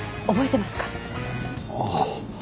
覚えてますか？